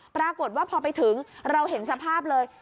ปรากฏว่าพอไปถึงเราเห็นสภาพเลย